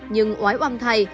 nhưng oái oăm thay